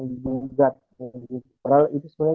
dihidupkan itu sebenarnya